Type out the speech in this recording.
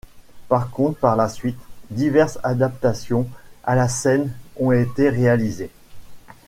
Par contre, par la suite, diverses adaptations à la scène ont été réalisées.